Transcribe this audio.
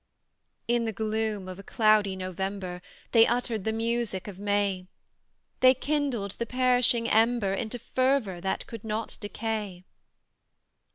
In the gloom of a cloudy November They uttered the music of May; They kindled the perishing ember Into fervour that could not decay.